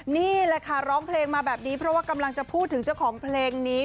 นี่แหละค่ะร้องเพลงมาแบบนี้เพราะว่ากำลังจะพูดถึงเจ้าของเพลงนี้